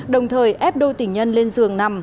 đồng thời ép đôi tình nhân lên giường nằm